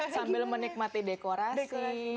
sambil menikmati dekorasi